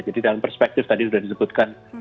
jadi dalam perspektif tadi sudah disebutkan